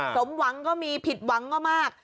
สมหวังก็มีผิดหวังก็มาก